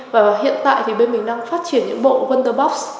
và hiện tại thì bên mình đang phát triển những bộ wonder box